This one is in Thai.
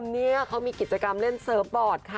นี่เขามีกิจกรรมเล่นเซิร์ฟบอร์ดค่ะ